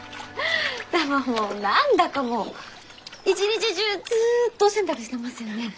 何だかもう一日中ずっとお洗濯してますよね？